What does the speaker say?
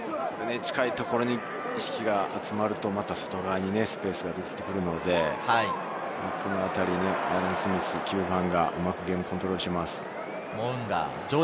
近いところに意識が集まると、外側にスペースができるので、この辺り、アーロン・スミスがうまくゲームをコントロールします。